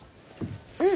うん。